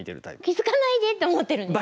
「気付かないで」って思ってるんですね。